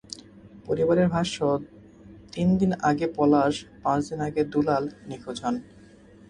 পরিবারের ভাষ্য, তিন দিন আগে পলাশ, পাঁচ দিন আগে দুলাল নিখোঁজ হন।